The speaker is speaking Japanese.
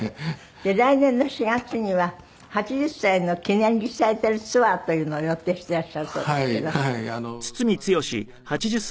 来年の４月には８０歳の記念リサイタルツアーというのを予定していらっしゃるそうですけど。